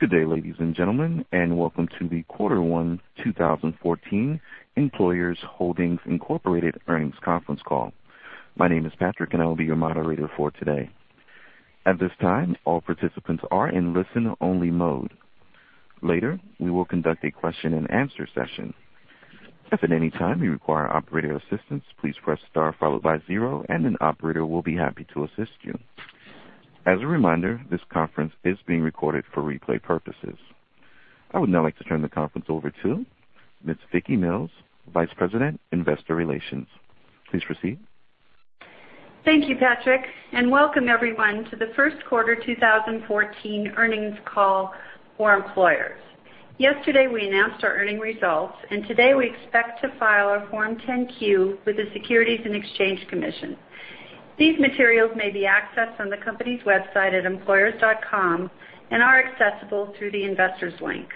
Good day, ladies and gentlemen, welcome to the Quarter One 2014 Employers Holdings, Inc. Earnings Conference Call. My name is Patrick and I will be your moderator for today. At this time, all participants are in listen-only mode. Later, we will conduct a question-and-answer session. If at any time you require operator assistance, please press star followed by zero and an operator will be happy to assist you. As a reminder, this conference is being recorded for replay purposes. I would now like to turn the conference over to Ms. Vicki Mills, Vice President, Investor Relations. Please proceed. Thank you, Patrick, welcome everyone to the first quarter 2014 earnings call for Employers. Yesterday we announced our earnings results, today we expect to file our Form 10-Q with the Securities and Exchange Commission. These materials may be accessed on the company's website at employers.com and are accessible through the investors link.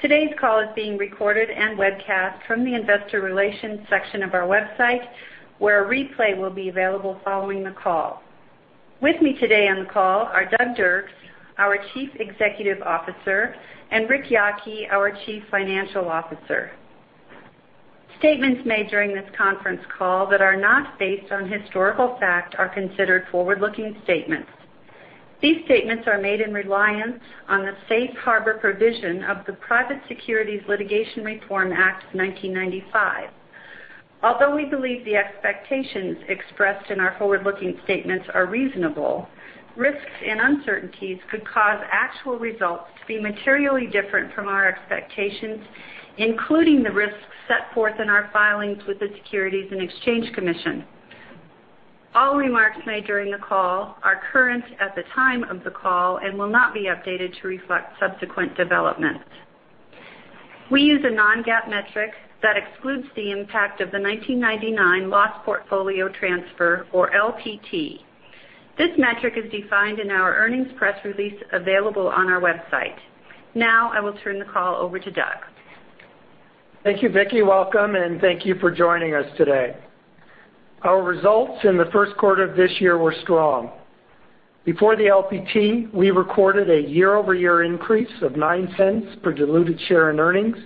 Today's call is being recorded and webcast from the investor relations section of our website, where a replay will be available following the call. With me today on the call are Douglas Dirks, our Chief Executive Officer, and Ric Yocke, our Chief Financial Officer. Statements made during this conference call that are not based on historical fact are considered forward-looking statements. These statements are made in reliance on the Safe Harbor provision of the Private Securities Litigation Reform Act of 1995. Although we believe the expectations expressed in our forward-looking statements are reasonable, risks and uncertainties could cause actual results to be materially different from our expectations, including the risks set forth in our filings with the Securities and Exchange Commission. All remarks made during the call are current at the time of the call and will not be updated to reflect subsequent developments. We use a non-GAAP metric that excludes the impact of the 1999 loss portfolio transfer, or LPT. This metric is defined in our earnings press release available on our website. I will turn the call over to Doug. Thank you, Vicki. Welcome, thank you for joining us today. Our results in the first quarter of this year were strong. Before the LPT, we recorded a year-over-year increase of $0.09 per diluted share in earnings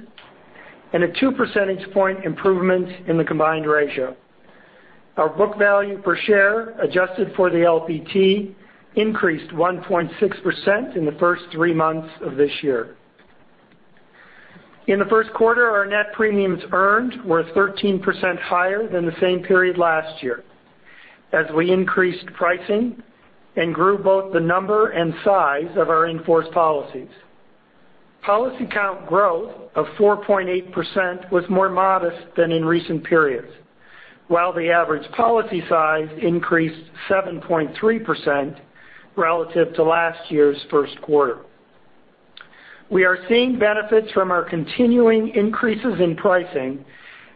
and a two percentage point improvement in the combined ratio. Our book value per share, adjusted for the LPT, increased 1.6% in the first three months of this year. In the first quarter, our net premiums earned were 13% higher than the same period last year as we increased pricing and grew both the number and size of our in-force policies. Policy count growth of 4.8% was more modest than in recent periods, while the average policy size increased 7.3% relative to last year's first quarter. We are seeing benefits from our continuing increases in pricing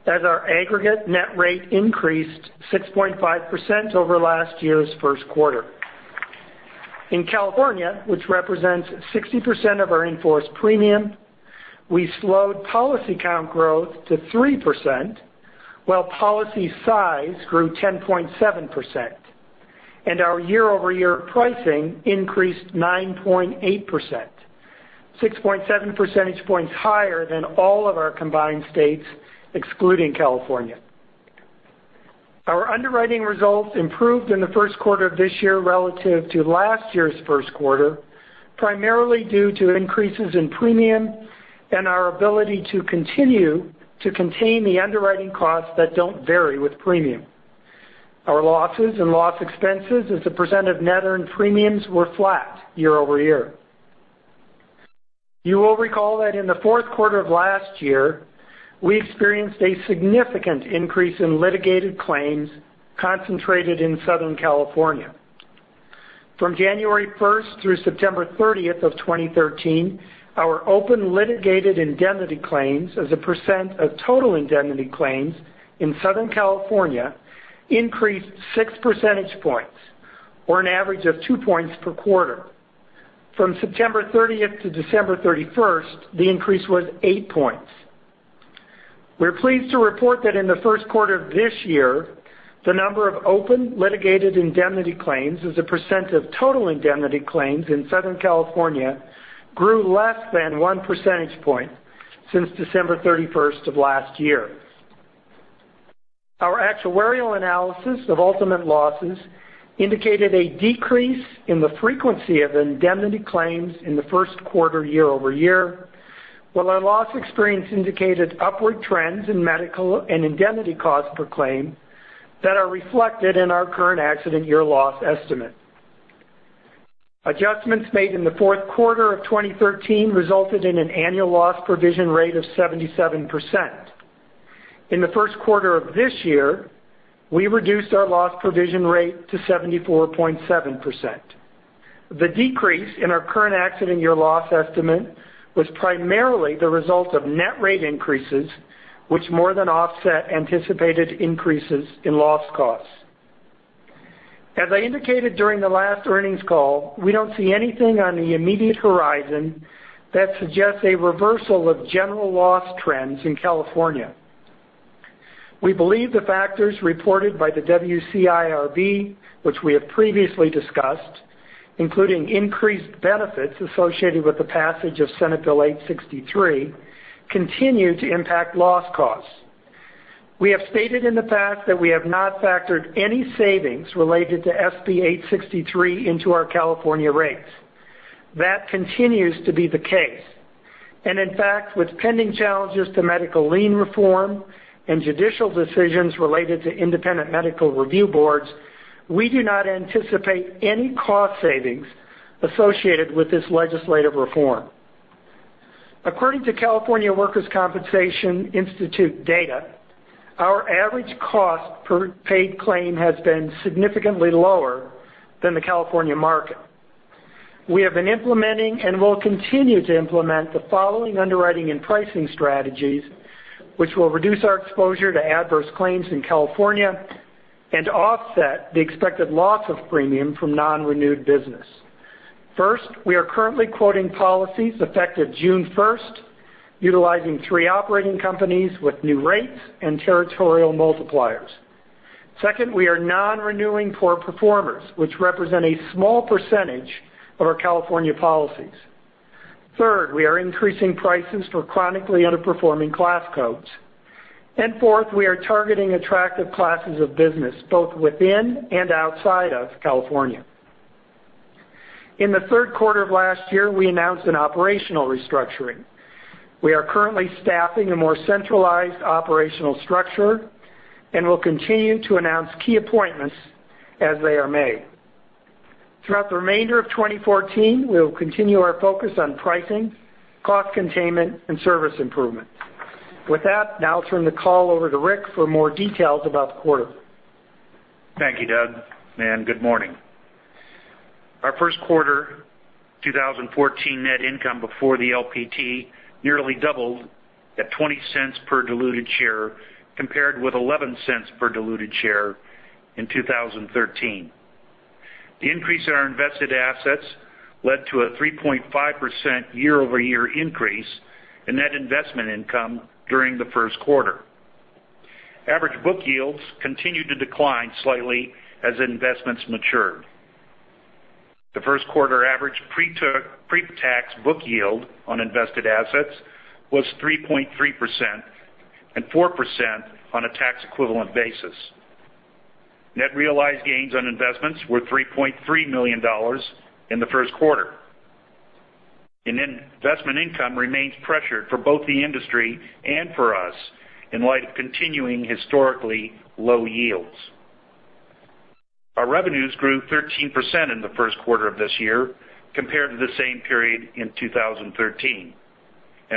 as our aggregate net rate increased 6.5% over last year's first quarter. In California, which represents 60% of our in-force premium, we slowed policy count growth to 3% while policy size grew 10.7%, and our year-over-year pricing increased 9.8%, 6.7 percentage points higher than all of our combined states, excluding California. Our underwriting results improved in the first quarter of this year relative to last year's first quarter, primarily due to increases in premium and our ability to continue to contain the underwriting costs that don't vary with premium. Our losses and loss expenses as a percent of net earned premiums were flat year-over-year. You will recall that in the fourth quarter of last year, we experienced a significant increase in litigated claims concentrated in Southern California. From January 1st through September 30th of 2013, our open litigated indemnity claims as a percent of total indemnity claims in Southern California increased six percentage points, or an average of two points per quarter. From September 30th to December 31st, the increase was eight points. We're pleased to report that in the first quarter of this year, the number of open litigated indemnity claims as a percent of total indemnity claims in Southern California grew less than one percentage point since December 31st of last year. Our actuarial analysis of ultimate losses indicated a decrease in the frequency of indemnity claims in the first quarter year-over-year, while our loss experience indicated upward trends in medical and indemnity costs per claim that are reflected in our current accident year loss estimate. Adjustments made in the fourth quarter of 2013 resulted in an annual loss provision rate of 77%. In the first quarter of this year, we reduced our loss provision rate to 74.7%. The decrease in our current accident year loss estimate was primarily the result of net rate increases, which more than offset anticipated increases in loss costs. As I indicated during the last earnings call, we don't see anything on the immediate horizon that suggests a reversal of general loss trends in California. We believe the factors reported by the WCIRB, which we have previously discussed, including increased benefits associated with the passage of Senate Bill 863, continue to impact loss costs. We have stated in the past that we have not factored any savings related to SB 863 into our California rates. That continues to be the case. In fact, with pending challenges to medical lien reform and judicial decisions related to independent medical review boards, we do not anticipate any cost savings associated with this legislative reform. According to California Workers' Compensation Institute data, our average cost per paid claim has been significantly lower than the California market. We have been implementing and will continue to implement the following underwriting and pricing strategies, which will reduce our exposure to adverse claims in California and offset the expected loss of premium from non-renewed business. First, we are currently quoting policies effective June 1st, utilizing three operating companies with new rates and territorial multipliers. Second, we are non-renewing poor performers, which represent a small percentage of our California policies. Third, we are increasing prices for chronically underperforming class codes. Fourth, we are targeting attractive classes of business both within and outside of California. In the third quarter of last year, we announced an operational restructuring. We are currently staffing a more centralized operational structure and will continue to announce key appointments as they are made. Throughout the remainder of 2014, we will continue our focus on pricing, cost containment, and service improvement. With that, now I'll turn the call over to Ric for more details about the quarter. Thank you, Doug, and good morning. Our first quarter 2014 net income before the LPT nearly doubled at $0.20 per diluted share, compared with $0.11 per diluted share in 2013. The increase in our invested assets led to a 3.5% year-over-year increase in net investment income during the first quarter. Average book yields continued to decline slightly as investments matured. The first quarter average pre-tax book yield on invested assets was 3.3% and 4% on a tax-equivalent basis. Net realized gains on investments were $3.3 million in the first quarter. Investment income remains pressured for both the industry and for us in light of continuing historically low yields. Our revenues grew 13% in the first quarter of this year compared to the same period in 2013.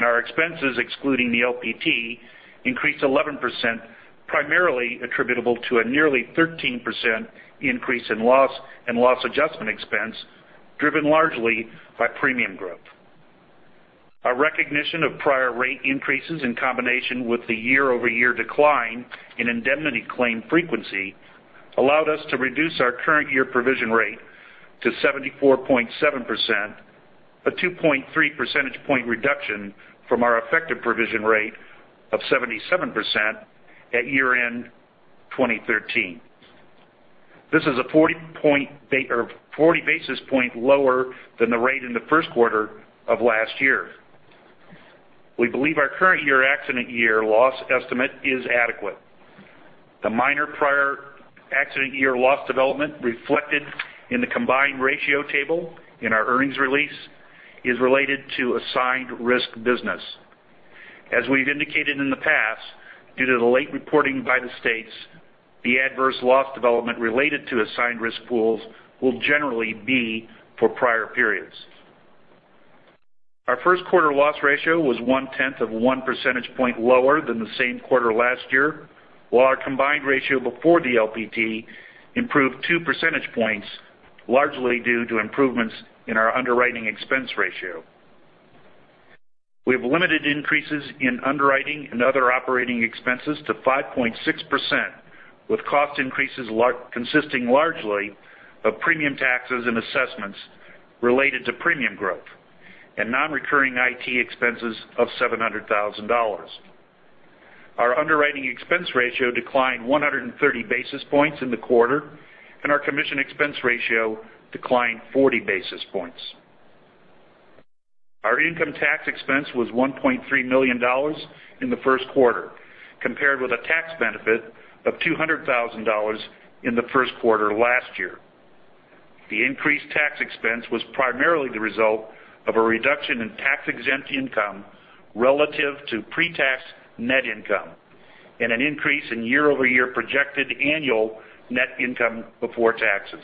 Our expenses, excluding the LPT, increased 11%, primarily attributable to a nearly 13% increase in loss and loss adjustment expense, driven largely by premium growth. Our recognition of prior rate increases in combination with the year-over-year decline in indemnity claim frequency allowed us to reduce our current year provision rate to 74.7%, a 2.3 percentage point reduction from our effective provision rate of 77% at year-end 2013. This is 40 basis point lower than the rate in the first quarter of last year. We believe our current year accident year loss estimate is adequate. The minor prior accident year loss development reflected in the combined ratio table in our earnings release is related to assigned risk business. As we've indicated in the past, due to the late reporting by the states, the adverse loss development related to assigned risk pools will generally be for prior periods. Our first quarter loss ratio was one tenth of one percentage point lower than the same quarter last year, while our combined ratio before the LPT improved two percentage points, largely due to improvements in our underwriting expense ratio. We have limited increases in underwriting and other operating expenses to 5.6%, with cost increases consisting largely of premium taxes and assessments related to premium growth and non-recurring IT expenses of $700,000. Our underwriting expense ratio declined 130 basis points in the quarter, and our commission expense ratio declined 40 basis points. Our income tax expense was $1.3 million in the first quarter, compared with a tax benefit of $200,000 in the first quarter last year. The increased tax expense was primarily the result of a reduction in tax-exempt income relative to pre-tax net income and an increase in year-over-year projected annual net income before taxes.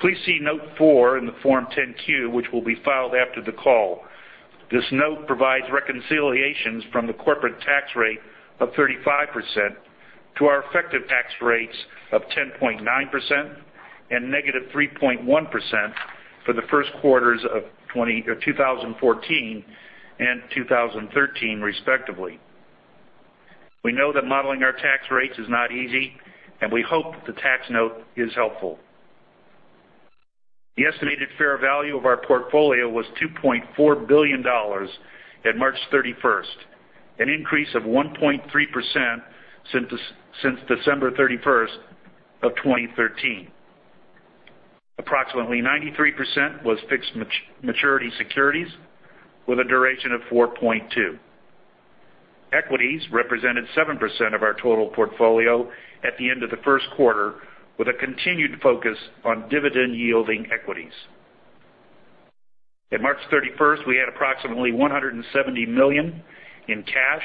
Please see note four in the Form 10-Q, which will be filed after the call. This note provides reconciliations from the corporate tax rate of 35% to our effective tax rates of 10.9% and negative 3.1% for the first quarters of 2014 and 2013, respectively. We know that modeling our tax rates is not easy, and we hope that the tax note is helpful. The estimated fair value of our portfolio was $2.4 billion at March 31st, an increase of 1.3% since December 31st of 2013. Approximately 93% was fixed maturity securities with a duration of 4.2. Equities represented 7% of our total portfolio at the end of the first quarter, with a continued focus on dividend-yielding equities. At March 31st, we had approximately $170 million in cash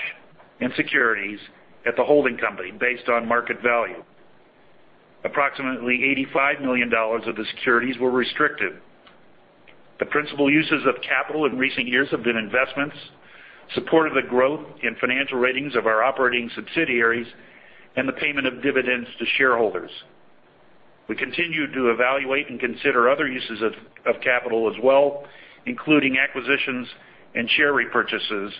and securities at the holding company based on market value. Approximately $85 million of the securities were restricted. The principal uses of capital in recent years have been investments, support of the growth in financial ratings of our operating subsidiaries, and the payment of dividends to shareholders. We continue to evaluate and consider other uses of capital as well, including acquisitions and share repurchases,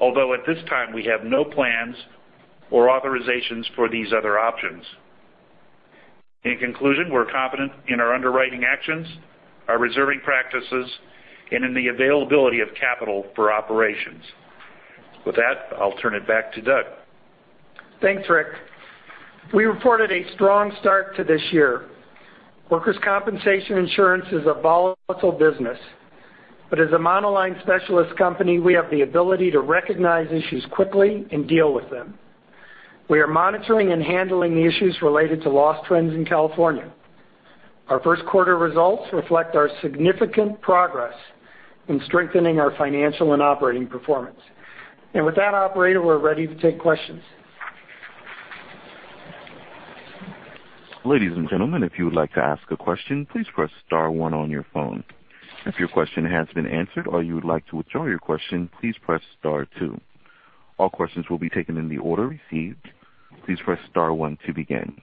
although at this time we have no plans or authorizations for these other options. In conclusion, we're confident in our underwriting actions, our reserving practices, and in the availability of capital for operations. With that, I'll turn it back to Doug. Thanks, Ric. We reported a strong start to this year. Workers' compensation insurance is a volatile business, but as a monoline specialist company, we have the ability to recognize issues quickly and deal with them. We are monitoring and handling the issues related to loss trends in California. Our first quarter results reflect our significant progress in strengthening our financial and operating performance. With that operator, we're ready to take questions. Ladies and gentlemen, if you would like to ask a question, please press star one on your phone. If your question has been answered or you would like to withdraw your question, please press star two. All questions will be taken in the order received. Please press star one to begin.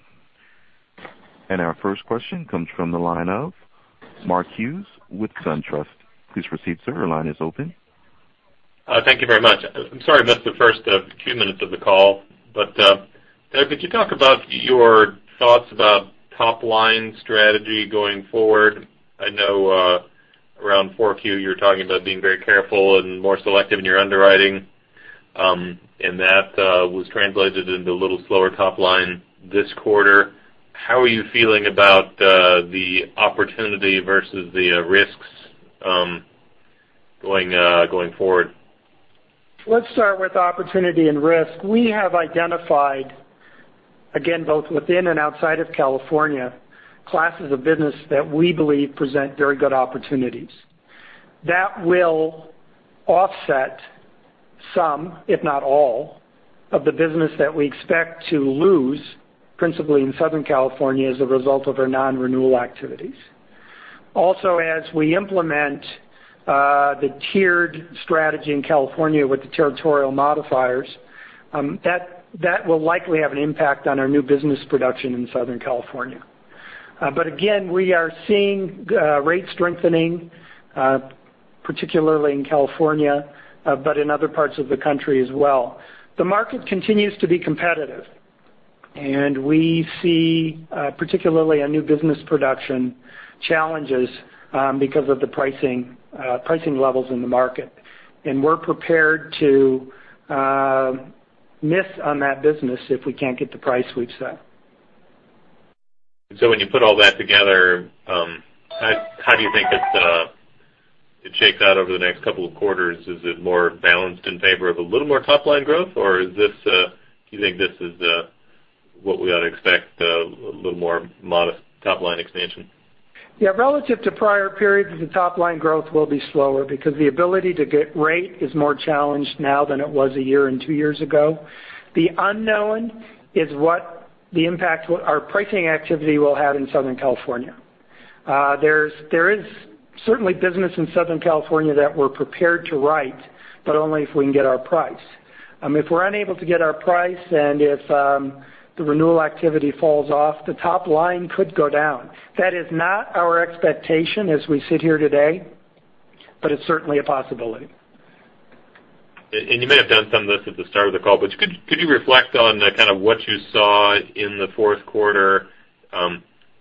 Our first question comes from the line of Mark Hughes with SunTrust. Please proceed, sir. Your line is open. Thank you very much. I'm sorry I missed the first few minutes of the call. Could you talk about your thoughts about top-line strategy going forward? I know around 4Q you were talking about being very careful and more selective in your underwriting. That was translated into a little slower top line this quarter. How are you feeling about the opportunity versus the risks going forward? Let's start with opportunity and risk. We have identified, again, both within and outside of California, classes of business that we believe present very good opportunities. That will offset some, if not all, of the business that we expect to lose, principally in Southern California as a result of our non-renewal activities. Also, as we implement the tiered strategy in California with the territorial modifiers, that will likely have an impact on our new business production in Southern California. Again, we are seeing rates strengthening, particularly in California, but in other parts of the country as well. The market continues to be competitive, and we see, particularly on new business production, challenges because of the pricing levels in the market. We're prepared to miss on that business if we can't get the price we've set. When you put all that together, how do you think it shakes out over the next couple of quarters? Is it more balanced in favor of a little more top-line growth, or do you think this is what we ought to expect, a little more modest top-line expansion? Yeah. Relative to prior periods, the top-line growth will be slower because the ability to get rate is more challenged now than it was a year and two years ago. The unknown is what the impact our pricing activity will have in Southern California. There is certainly business in Southern California that we're prepared to write, but only if we can get our price. If we're unable to get our price and if the renewal activity falls off, the top line could go down. That is not our expectation as we sit here today, but it's certainly a possibility. You may have done some of this at the start of the call, but could you reflect on kind of what you saw in the fourth quarter?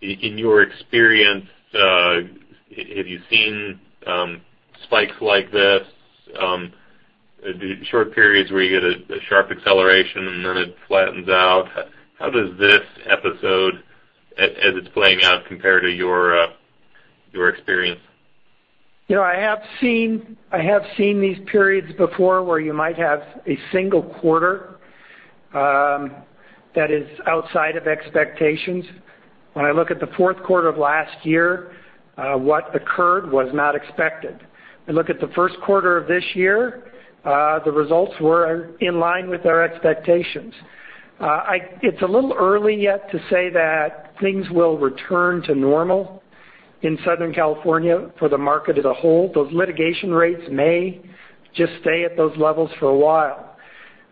In your experience, have you seen spikes like this, short periods where you get a sharp acceleration, and then it flattens out? How does this episode, as it's playing out compare to your experience? I have seen these periods before where you might have a single quarter that is outside of expectations. When I look at the fourth quarter of last year, what occurred was not expected. We look at the first quarter of this year, the results were in line with our expectations. It's a little early yet to say that things will return to normal in Southern California for the market as a whole. Those litigation rates may just stay at those levels for a while.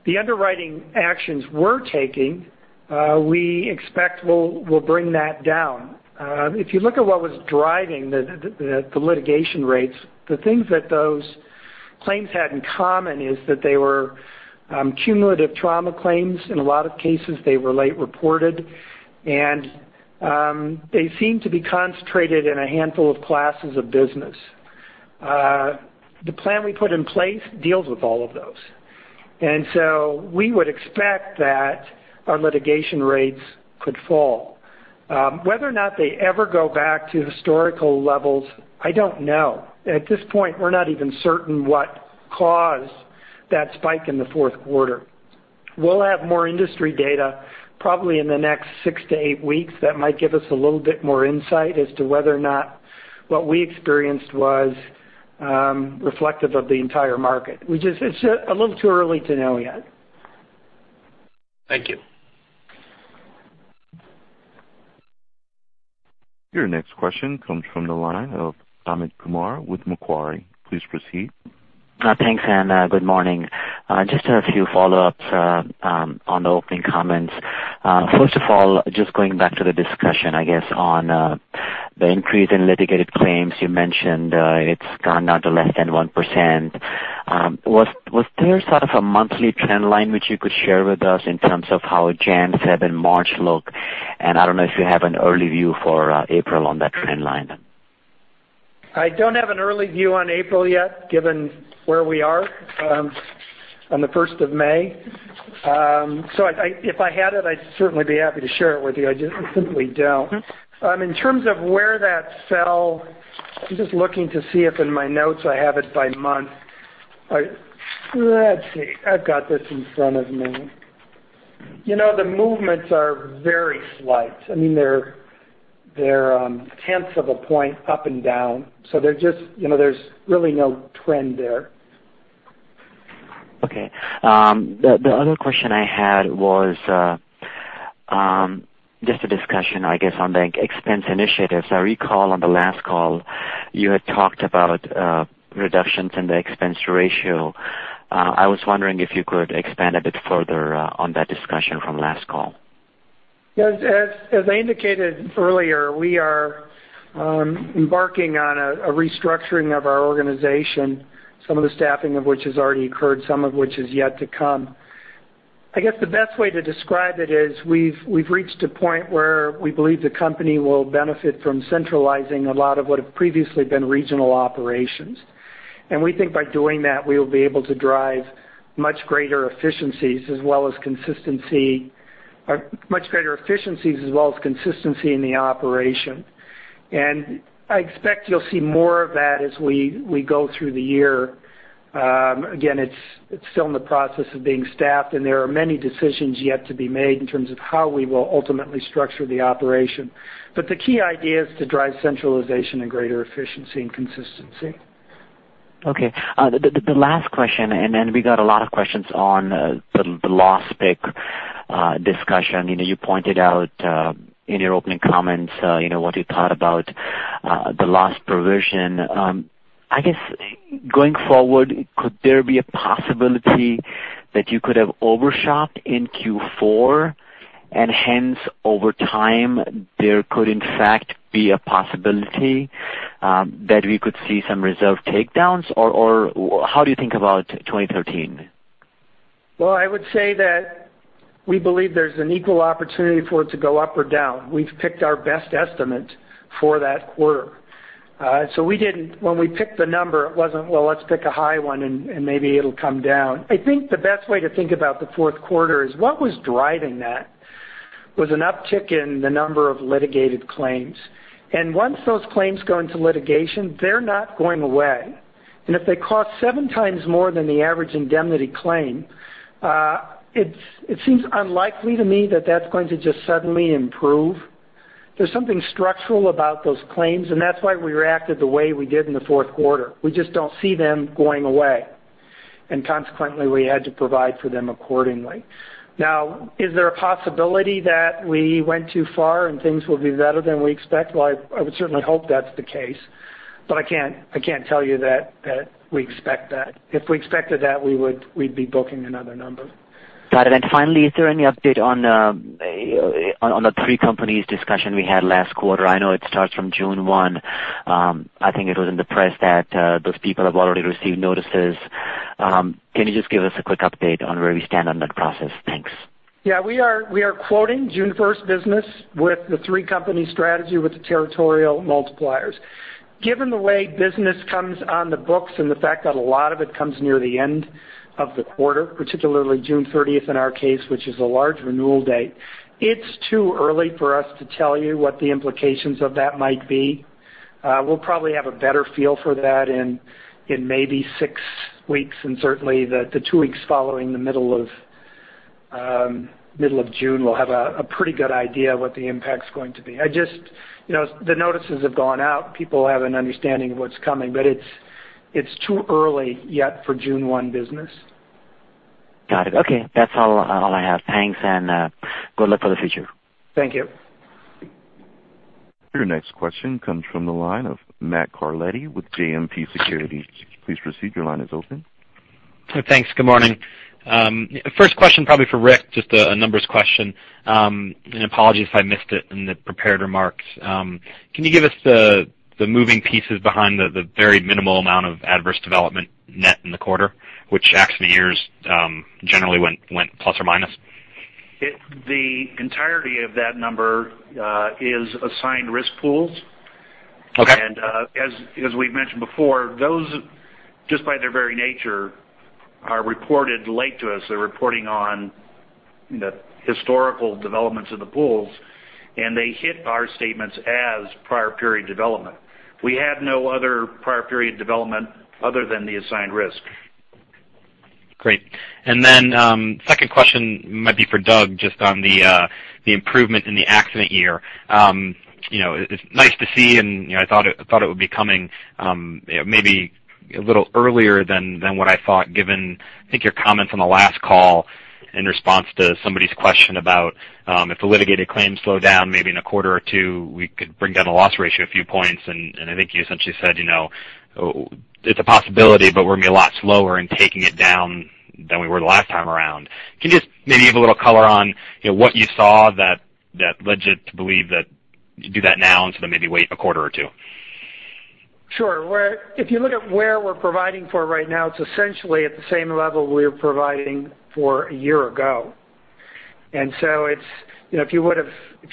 The underwriting actions we're taking, we expect will bring that down. If you look at what was driving the litigation rates, the things that those Claims had in common is that they were cumulative trauma claims. In a lot of cases, they were late reported, and they seemed to be concentrated in a handful of classes of business. The plan we put in place deals with all of those. So we would expect that our litigation rates could fall. Whether or not they ever go back to historical levels, I don't know. At this point, we're not even certain what caused that spike in the fourth quarter. We'll have more industry data probably in the next six to eight weeks that might give us a little bit more insight as to whether or not what we experienced was reflective of the entire market. It's a little too early to know yet. Thank you. Your next question comes from the line of Amit Kumar with Macquarie. Please proceed. Thanks. Good morning. Just a few follow-ups on the opening comments. First of all, just going back to the discussion, I guess, on the increase in litigated claims. You mentioned it's gone down to less than 1%. Was there sort of a monthly trend line which you could share with us in terms of how Jan, Feb, and March look? I don't know if you have an early view for April on that trend line. I don't have an early view on April yet, given where we are on the 1st of May. If I had it, I'd certainly be happy to share it with you. I just simply don't. In terms of where that fell, I'm just looking to see if in my notes, I have it by month. Let's see. I've got this in front of me. The movements are very slight. They're tenths of a point up and down. There's really no trend there. Okay. The other question I had was just a discussion, I guess, on the expense initiatives. I recall on the last call you had talked about reductions in the expense ratio. I was wondering if you could expand a bit further on that discussion from last call. Yes. As I indicated earlier, we are embarking on a restructuring of our organization, some of the staffing of which has already occurred, some of which is yet to come. I guess the best way to describe it is we've reached a point where we believe the company will benefit from centralizing a lot of what have previously been regional operations. We think by doing that, we will be able to drive much greater efficiencies as well as consistency in the operation. I expect you'll see more of that as we go through the year. Again, it's still in the process of being staffed, and there are many decisions yet to be made in terms of how we will ultimately structure the operation. The key idea is to drive centralization and greater efficiency and consistency. Okay. The last question, and then we got a lot of questions on the last pick discussion. You pointed out in your opening comments what you thought about the last provision. I guess going forward, could there be a possibility that you could have overshot in Q4 and hence over time there could in fact be a possibility that we could see some reserve takedowns? How do you think about 2013? Well, I would say that we believe there's an equal opportunity for it to go up or down. We've picked our best estimate for that quarter. When we picked the number, it wasn't, well, let's pick a high one and maybe it'll come down. I think the best way to think about the fourth quarter is what was driving that was an uptick in the number of litigated claims. Once those claims go into litigation, they're not going away. If they cost seven times more than the average indemnity claim, it seems unlikely to me that that's going to just suddenly improve. There's something structural about those claims, and that's why we reacted the way we did in the fourth quarter. We just don't see them going away, and consequently, we had to provide for them accordingly. Now, is there a possibility that we went too far and things will be better than we expect? Well, I would certainly hope that's the case, but I can't tell you that we expect that. If we expected that, we'd be booking another number. Got it. Finally, is there any update on the three-company discussion we had last quarter? I know it starts from June 1. I think it was in the press that those people have already received notices. Can you just give us a quick update on where we stand on that process? Thanks. Yeah, we are quoting June 1st business with the three-company strategy with the territorial multipliers. Given the way business comes on the books and the fact that a lot of it comes near the end of the quarter, particularly June 30th in our case, which is a large renewal date, it's too early for us to tell you what the implications of that might be. We'll probably have a better feel for that in maybe 6 weeks, and certainly the 2 weeks following the middle of June, we'll have a pretty good idea what the impact's going to be. The notices have gone out. People have an understanding of what's coming, but it's too early yet for June 1 business. Got it. Okay. That's all I have. Thanks. Good luck for the future. Thank you. Your next question comes from the line of Matthew Carletti with JMP Securities. Please proceed. Your line is open. Thanks. Good morning. First question probably for Ric, just a numbers question. Apologies if I missed it in the prepared remarks. Can you give us the moving pieces behind the very minimal amount of adverse development net in the quarter, which accident years generally went plus or minus? The entirety of that number is assigned risk pools. Okay. As we've mentioned before, those just by their very nature are reported late to us. They're reporting on the historical developments of the pools, and they hit our statements as prior period development. We have no other prior period development other than the assigned risk. Great. Second question might be for Doug, just on the improvement in the accident year. It's nice to see and I thought it would be coming maybe a little earlier than what I thought given, I think your comments on the last call in response to somebody's question about if the litigated claims slow down maybe in a quarter or two, we could bring down the loss ratio a few points, and I think you essentially said it's a possibility, but we're going to be a lot slower in taking it down than we were the last time around. Can you just maybe give a little color on what you saw that led you to believe that you do that now instead of maybe wait a quarter or two? Sure. If you look at where we're providing for right now, it's essentially at the same level we were providing for a year ago. If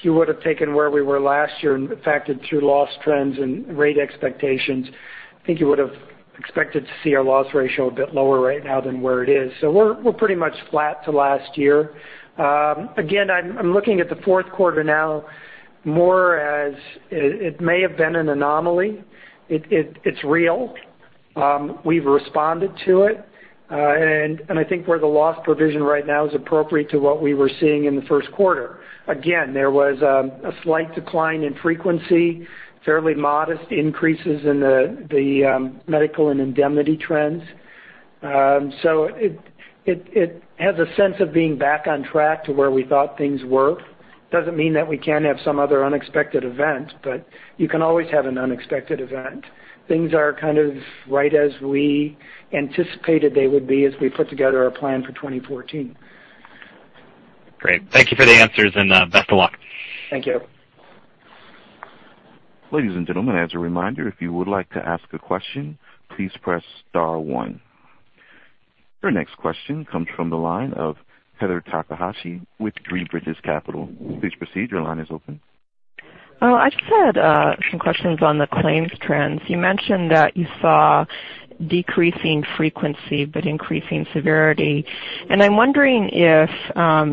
you would've taken where we were last year and factored through loss trends and rate expectations, I think you would've expected to see our loss ratio a bit lower right now than where it is. We're pretty much flat to last year. Again, I'm looking at the fourth quarter now more as it may have been an anomaly. It's real. We've responded to it. I think where the loss provision right now is appropriate to what we were seeing in the first quarter. Again, there was a slight decline in frequency, fairly modest increases in the medical and indemnity trends. It has a sense of being back on track to where we thought things were. Doesn't mean that we can't have some other unexpected event, you can always have an unexpected event. Things are kind of right as we anticipated they would be as we put together our plan for 2014. Great. Thank you for the answers and best of luck. Thank you. Ladies and gentlemen, as a reminder, if you would like to ask a question, please press star one. Your next question comes from the line of Heather Takahashi with Three Bridges Capital. Please proceed, your line is open. I just had some questions on the claims trends. You mentioned that you saw decreasing frequency but increasing severity, and I'm wondering if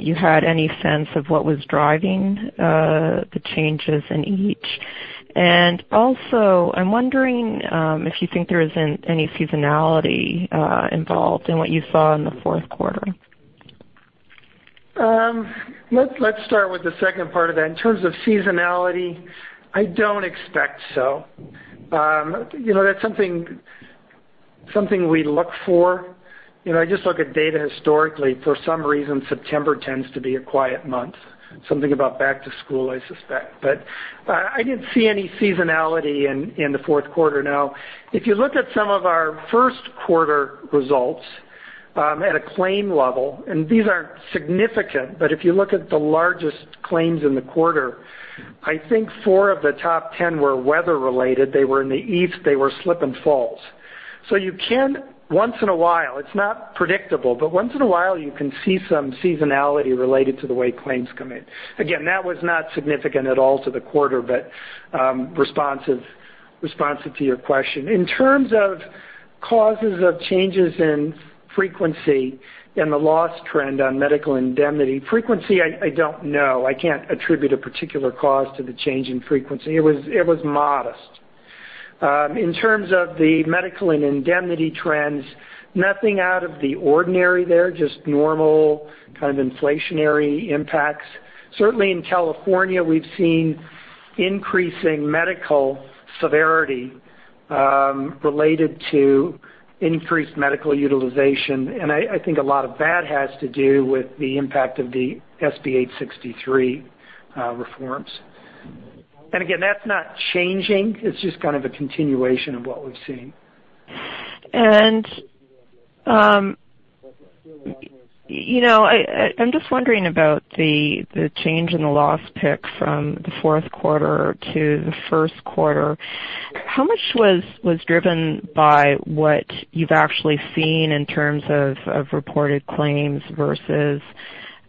you had any sense of what was driving the changes in each. Also, I'm wondering if you think there is any seasonality involved in what you saw in the fourth quarter. Let's start with the second part of that. In terms of seasonality, I don't expect so. That's something we look for. I just look at data historically. For some reason, September tends to be a quiet month. Something about back to school, I suspect, but I didn't see any seasonality in the fourth quarter. Now, if you look at some of our first quarter results at a claim level, and these aren't significant, but if you look at the largest claims in the quarter, I think four of the top 10 were weather related. They were in the east. They were slip and falls. You can once in a while, it's not predictable, but once in a while you can see some seasonality related to the way claims come in. Again, that was not significant at all to the quarter, but responsive to your question. In terms of causes of changes in frequency and the loss trend on medical indemnity, frequency, I don't know. I can't attribute a particular cause to the change in frequency. It was modest. In terms of the medical and indemnity trends, nothing out of the ordinary there, just normal kind of inflationary impacts. Certainly in California, we've seen increasing medical severity related to increased medical utilization, and I think a lot of that has to do with the impact of the SB 863 reforms. Again, that's not changing. It's just kind of a continuation of what we've seen. I'm just wondering about the change in the loss pick from the fourth quarter to the first quarter. How much was driven by what you've actually seen in terms of reported claims versus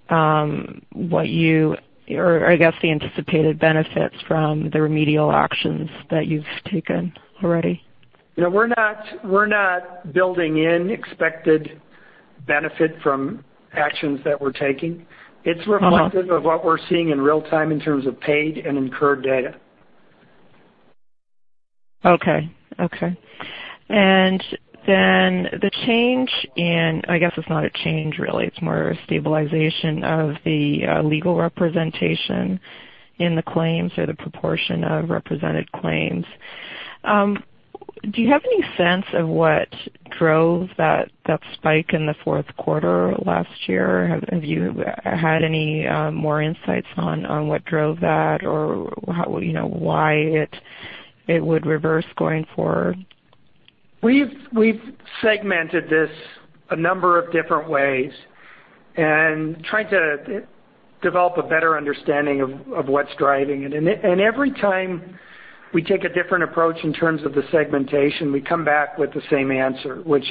what you, or I guess the anticipated benefits from the remedial actions that you've taken already? We're not building in expected benefit from actions that we're taking. It's reflective of what we're seeing in real time in terms of paid and incurred data. Okay. The change in, I guess it's not a change really, it's more a stabilization of the legal representation in the claims or the proportion of represented claims. Do you have any sense of what drove that spike in the fourth quarter last year? Have you had any more insights on what drove that or why it would reverse going forward? We've segmented this a number of different ways and trying to develop a better understanding of what's driving it. Every time we take a different approach in terms of the segmentation, we come back with the same answer, which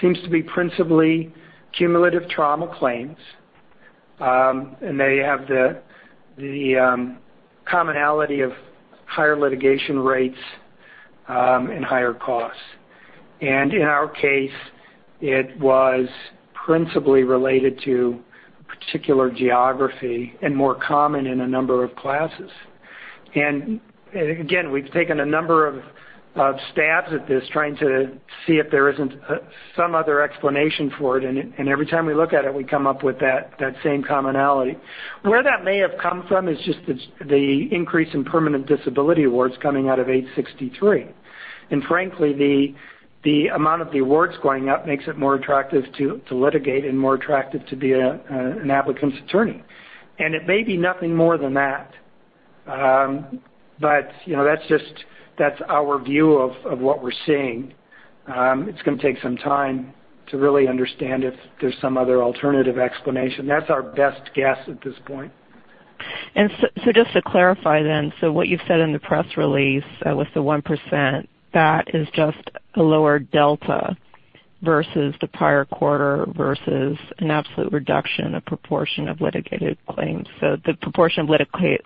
seems to be principally cumulative trauma claims. They have the commonality of higher litigation rates and higher costs. In our case, it was principally related to particular geography and more common in a number of classes. Again, we've taken a number of stabs at this, trying to see if there isn't some other explanation for it. Every time we look at it, we come up with that same commonality. Where that may have come from is just the increase in permanent disability awards coming out of 863. Frankly, the amount of the awards going up makes it more attractive to litigate and more attractive to be an applicant's attorney. It may be nothing more than that. That's our view of what we're seeing. It's going to take some time to really understand if there's some other alternative explanation. That's our best guess at this point. Just to clarify then, what you've said in the press release with the 1%, that is just a lower delta versus the prior quarter versus an absolute reduction, a proportion of litigated claims. The proportion of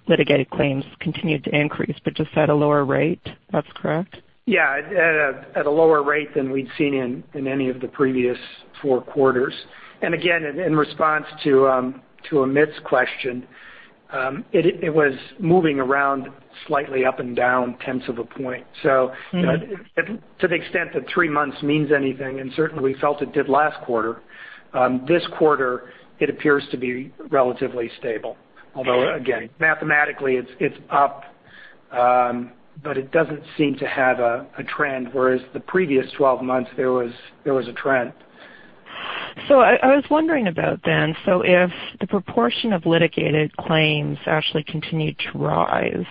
litigated claims continued to increase, but just at a lower rate. That's correct? At a lower rate than we'd seen in any of the previous four quarters. Again, in response to Amit's question, it was moving around slightly up and down tenths of a point. To the extent that three months means anything, and certainly we felt it did last quarter, this quarter it appears to be relatively stable, although, again, mathematically it's up, but it doesn't seem to have a trend, whereas the previous 12 months there was a trend. I was wondering about then, if the proportion of litigated claims actually continued to rise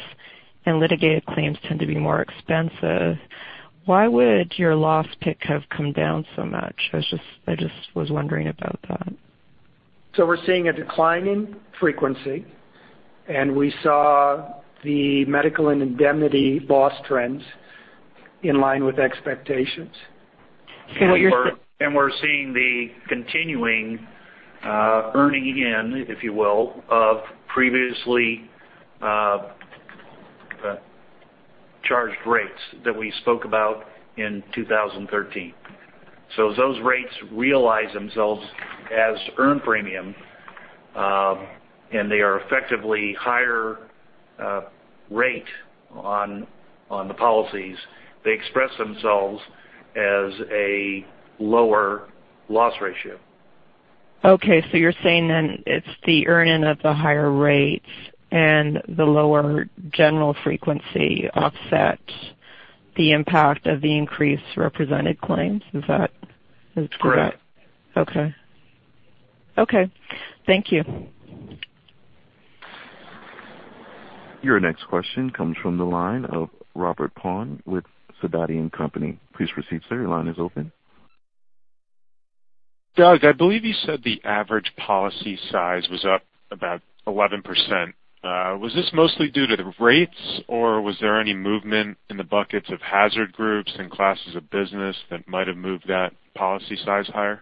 and litigated claims tend to be more expensive, why would your loss pick have come down so much? I just was wondering about that. We're seeing a decline in frequency, we saw the medical and indemnity loss trends in line with expectations. What you're- We're seeing the continuing earn in, if you will, of previously charged rates that we spoke about in 2013. Those rates realize themselves as earned premium, and they are effectively higher rate on the policies. They express themselves as a lower loss ratio. You're saying it's the earn in of the higher rates and the lower general frequency offset the impact of the increased represented claims. Is that correct? Correct. Thank you. Your next question comes from the line of Robert Pond with Sidoti & Company. Please proceed, sir. Your line is open. Doug, I believe you said the average policy size was up about 11%. Was this mostly due to the rates, or was there any movement in the buckets of hazard groups and classes of business that might have moved that policy size higher?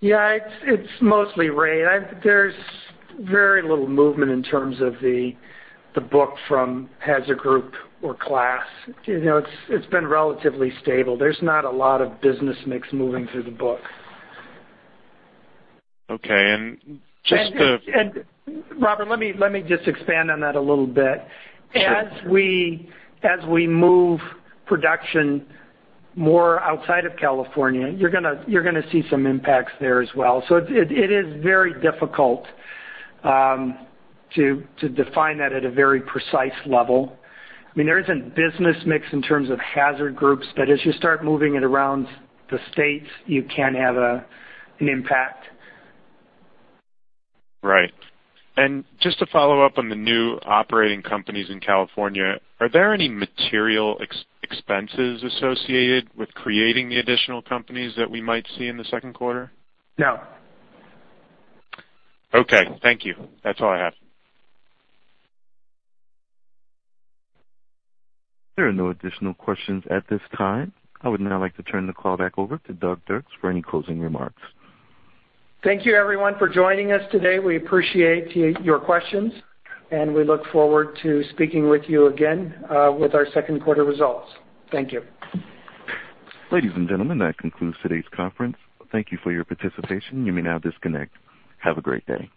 Yeah, it's mostly rate. There's very little movement in terms of the book from hazard group or class. It's been relatively stable. There's not a lot of business mix moving through the book. Okay. Robert, let me just expand on that a little bit. Sure. As we move production more outside of California, you're going to see some impacts there as well. It is very difficult to define that at a very precise level. There isn't business mix in terms of hazard groups, but as you start moving it around the states, you can have an impact. Right. Just to follow up on the new operating companies in California, are there any material expenses associated with creating the additional companies that we might see in the second quarter? No. Okay. Thank you. That's all I have. There are no additional questions at this time. I would now like to turn the call back over to Doug Dirks for any closing remarks. Thank you everyone for joining us today. We appreciate your questions. We look forward to speaking with you again with our second quarter results. Thank you. Ladies and gentlemen, that concludes today's conference. Thank you for your participation. You may now disconnect. Have a great day.